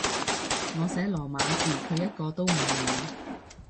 我寫羅馬字，佢一個都唔明